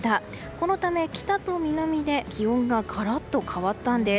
このため、北と南で気温がガラッと変わったんです。